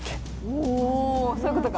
おそういうことか。